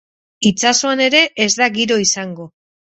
Itsasoan ere ez da giro izango.